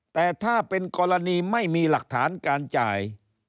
แต่ถ้าเป็นกรณีไม่มีหลักฐานการจ่าย